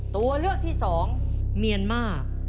ตัวเลือกที่๒เมียนมา